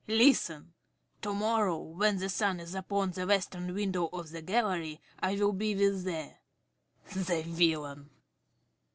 Listen! "To morrow when the sun is upon the western window of the gallery, I will be with thee." The villain!